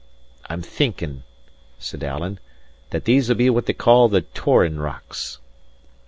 "I'm thinking," said Alan, "these'll be what they call the Torran Rocks."